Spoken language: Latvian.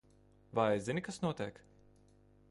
Vai zini, kas notiek?